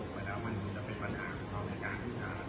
อยากให้ท่านยืนยันถึงความมั่นใจว่าเราจะติดตามแพ็คเตอร์ไลน์นี้ได้หรือไม่ได้